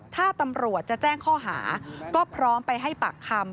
ถ้าตำรวจจะแจ้งข้อหาก็พร้อมไปให้ปากคำ